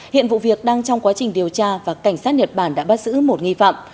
hiện vụ việc đang trong quá trình điều tra và cảnh sát nhật bản đã bắt giữ một nghi phạm